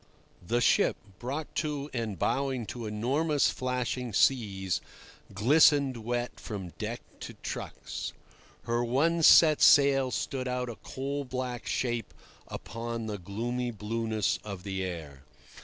The ship, brought to and bowing to enormous flashing seas, glistened wet from deck to trucks; her one set sail stood out a coal black shape upon the gloomy blueness of the air.